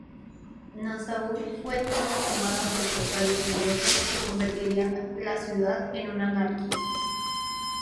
Nassau fue entonces tomada por corsarios ingleses, que convertirían la ciudad en una anarquía.